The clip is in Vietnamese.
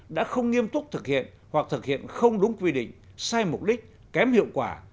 đã không nghiêm túc thực hiện hoặc thực hiện không đúng quy định sai mục đích kém hiệu quả